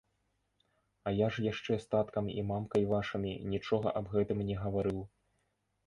А я ж яшчэ з таткам і мамкай вашымі нічога аб гэтым не гаварыў.